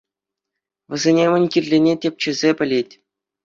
Вӗсене мӗн кирлине тӗпчесе пӗлет.